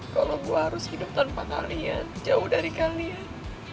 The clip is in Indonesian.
kalau gue harus hidup tanpa kalian jauh dari kalian